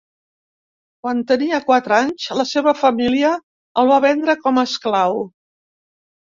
Quan tenia quatre anys, la seva família el va vendre com a esclau.